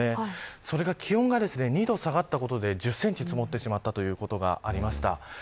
それが気温が２度下がったことで１０センチ積もってしまったということがありました。